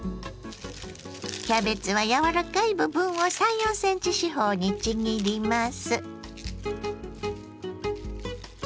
キャベツは柔らかい部分を３４ｃｍ四方にちぎります。